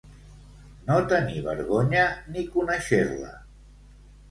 No tenir vergonya ni conèixer-la.